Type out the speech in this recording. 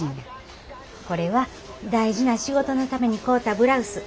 これは大事な仕事のために買うたブラウス。